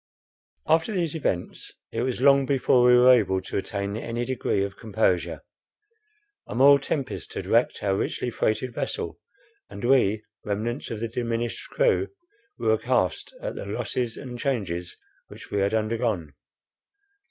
After these events, it was long before we were able to attain any degree of composure. A moral tempest had wrecked our richly freighted vessel, and we, remnants of the diminished crew, were aghast at the losses and changes which we had undergone.